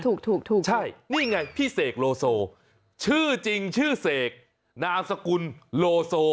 ถูกถูกใช่นี่ไงพี่เสกโลโซชื่อจริงชื่อเสกนามสกุลโลโซ